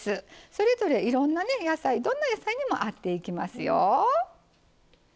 それぞれいろんなね野菜どんな野菜にも合っていきますよ。